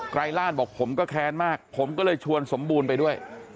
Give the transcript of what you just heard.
รายราชบอกผมก็แค้นมากผมก็เลยชวนสมบูรณ์ไปด้วย